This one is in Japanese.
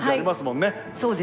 そうですね。